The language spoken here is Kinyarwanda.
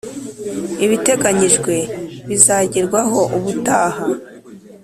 Ibiteganyijwe bizagerwaho ubutaha